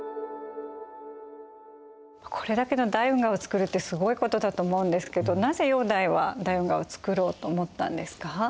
これだけの大運河をつくるってすごいことだと思うんですけどなぜ煬帝は大運河をつくろうと思ったんですか？